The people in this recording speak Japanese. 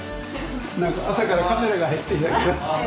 何か朝からカメラが入って。